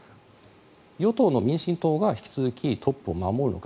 与党の民進党が引き続きトップを守るのか